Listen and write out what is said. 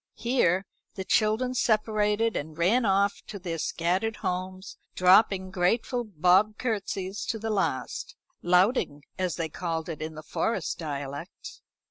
Here the children separated, and ran off to their scattered homes, dropping grateful bob curtsies to the last "louting," as they called it in their Forest dialect.